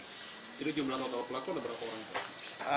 jadi jumlah tawar pelaku ada berapa orang